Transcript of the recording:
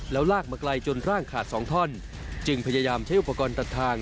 แล้วลากมาไกลจนร่างขาดสองท่อนจึงพยายามใช้อุปกรณ์ตัดทาง